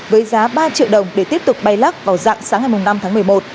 với giá ba triệu đồng để tiếp tục bay lắc vào dạng sáng ngày năm tháng một mươi một